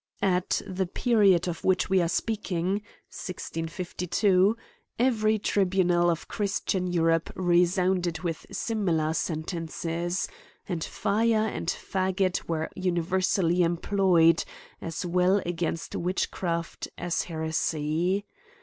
At the period of which we are speaking, (1652.) every tribunalof christian Europe resound ed with similar sentences ; and fire and faggot were universally employed, as well against witch craft as heresy.